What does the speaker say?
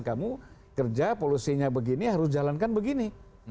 kamu kerja polusinya begini harus jalankan begini